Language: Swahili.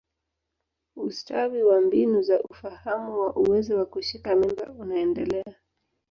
Ustawi wa mbinu za ufahamu wa uwezo wa kushika mimba unaendelea.